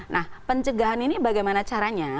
nah pencegahan ini bagaimana caranya